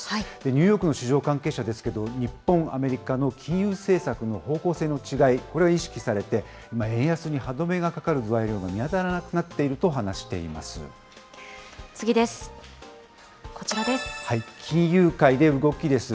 ニューヨークの市場関係者ですけれども、日本、アメリカの金融政策の方向性の違い、これを意識されて、今、円安に歯止めがかかる材料が見当たらなくなっていると話していま次です。